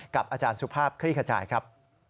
อาจารย์สุภาพคลี่ขจายครับ